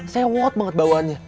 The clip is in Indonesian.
sewot banget bawaannya